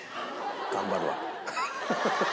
頑張るわ。